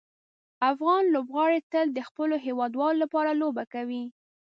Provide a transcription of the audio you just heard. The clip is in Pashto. افغان لوبغاړي تل د خپلو هیوادوالو لپاره لوبه کوي.